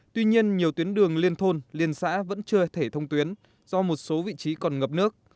tuy nhiên nhiều tuyến đường liên thôn liên xã vẫn chưa thể thông tuyến do một số vị trí còn ngập nước